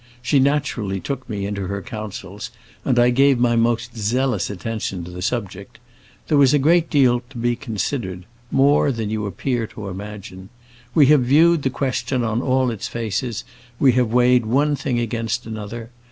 She naturally took me into her counsels, and I gave my most zealous attention to the subject. There was a great deal to be considered; more than you appear to imagine. We have viewed the question on all its faces, we have weighed one thing against another.